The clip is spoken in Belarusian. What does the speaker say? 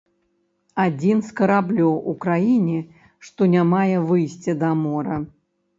Адзін з караблёў у краіне, што не мае выйсця да мора.